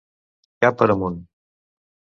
Cap per amunt.